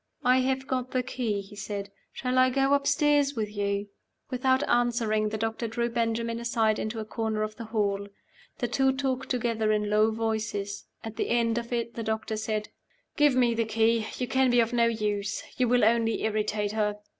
"I have got the key," he said. "Shall I go upstairs with you?" Without answering, the doctor drew Benjamin aside into a corner of the hall. The two talked together in low voices. At the end of it the doctor said, "Give me the key. You can be of no use; you will only irritate her."